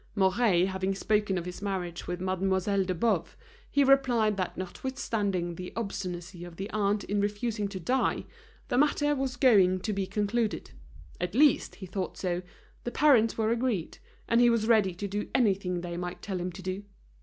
Mouret having spoken of his marriage with Mademoiselle de Boves, he replied that notwithstanding the obstinacy of the aunt in refusing to die, the matter was going to be concluded; at least, he thought so, the parents were agreed, and he was ready to do anything they might tell him to do.